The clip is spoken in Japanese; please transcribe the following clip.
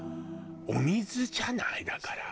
お水じゃない？だから。